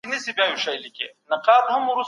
نن ورځ مونږ د ټولنیز انسجام ټکی کاروو.